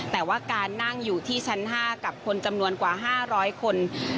แต่ว่าการนั่งอยู่ที่ชั้น๕กับคนจำนวนกว่า๕๐๐คน